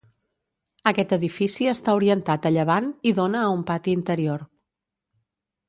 Aquest edifici està orientat a llevant i dóna a un pati interior.